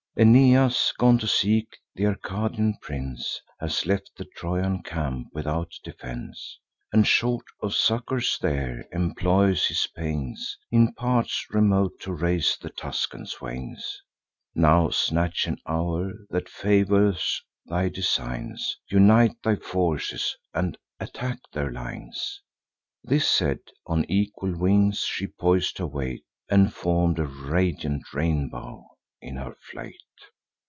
Aeneas, gone to seek th' Arcadian prince, Has left the Trojan camp without defence; And, short of succours there, employs his pains In parts remote to raise the Tuscan swains. Now snatch an hour that favours thy designs; Unite thy forces, and attack their lines." This said, on equal wings she pois'd her weight, And form'd a radiant rainbow in her flight.